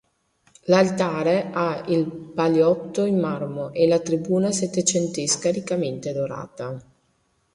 L'altare ha il paliotto in marmo e la tribuna settecentesca riccamente dorata.